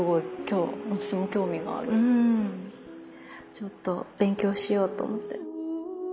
ちょっと勉強しようと思って。